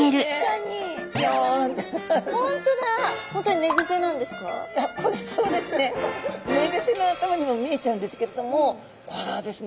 寝ぐせの頭にも見えちゃうんですけれどもこれはですね